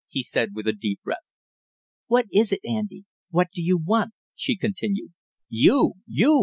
he said with a deep breath. "What is it, Andy what do you want?" she continued. "You you!"